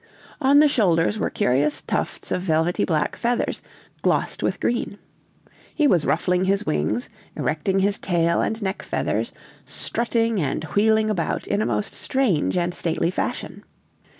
On the shoulders were curious tufts of velvety black feathers, glossed with green. He was ruffling his wings, erecting his tail and neck feathers, strutting and wheeling about in a most strange and stately fashion.